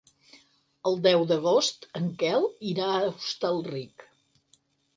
El deu d'agost en Quel irà a Hostalric.